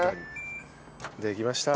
できました。